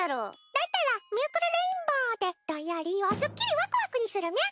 だったらミュークルレインボウでどんよりをすっきりワクワクにするみゃ！